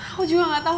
aku juga gak tau